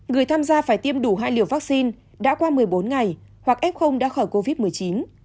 người tham gia phải tiêm đủ hai liều vaccine đã qua một mươi bốn ngày hoặc f đã khỏi covid một mươi chín